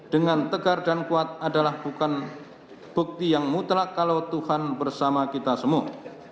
dengan tegar dan kuat adalah bukan bukti yang mutlak kalau tuhan bersama kita semua